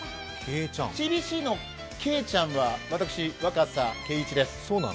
ＣＢＣのけいちゃんは私、若狭敬一です。